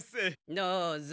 どうぞ。